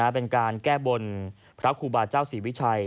เป็นการแก้บนพระครูบาเจ้าศรีวิชัย